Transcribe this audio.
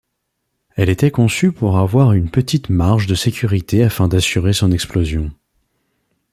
Elle était conçue pour avoir une petite marge de sécurité afin d'assurer son explosion.